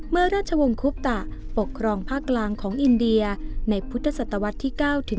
ราชวงศ์คุปตะปกครองภาคกลางของอินเดียในพุทธศตวรรษที่๙ถึง